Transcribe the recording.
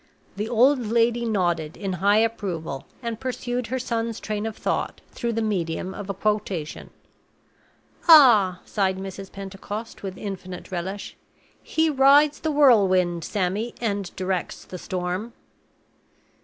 The old lady nodded in high approval, and pursued her son's train of thought through the medium of a quotation. "Ah!" sighed Mrs. Pentecost, with infinite relish, "He rides the whirlwind, Sammy, and directs the storm!"